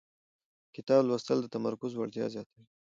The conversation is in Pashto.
کتاب لوستل د تمرکز وړتیا زیاتوي